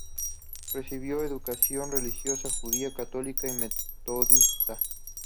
Recibió educación religiosa judía, católica y metodista.